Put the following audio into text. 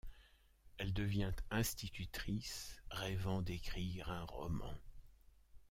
Elle devient institutrice, rêvant d'écrire un roman.